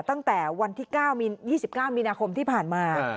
ตั้งแต่วันที่๒๙มีนาคมที่ผ่านมา